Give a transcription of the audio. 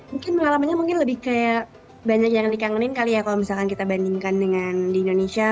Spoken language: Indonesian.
mungkin pengalamannya mungkin lebih kayak banyak yang dikangenin kali ya kalau misalkan kita bandingkan dengan di indonesia